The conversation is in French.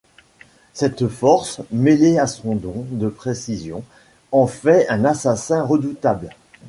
Cette force, mêlée à son don de précision, en fait un assassin redoutable.